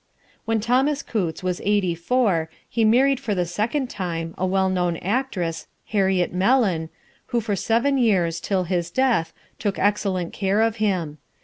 When Thomas Coutts was eighty four he married for the second time, a well known actress, Harriet Mellon, who for seven years, till his death, took excellent care of him.